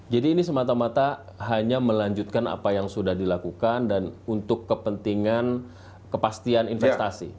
jadi ini semata mata hanya melanjutkan apa yang sudah dilakukan dan untuk kepentingan kepastian investasi